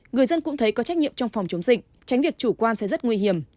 người dân cũng thấy có trách nhiệm trong phòng chống dịch tránh việc chủ quan sẽ rất nguy hiểm